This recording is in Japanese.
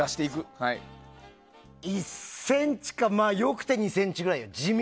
１ｃｍかよくて２ｃｍくらい、地道。